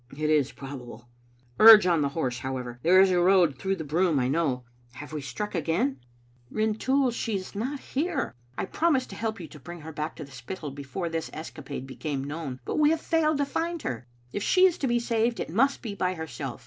"It is probable." "Urge on the horse, however. There is a road through the broom, I know. Have we stuck again?" Digitized by VjOOQ IC Vts «be Xfttie Ainmet. " Rintoul, she is not here. I promised to help you to bring her back to the Spittal before this escapade be came known, but we have failed to find her. If she is to be saved, it must be by herself.